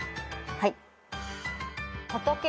はい。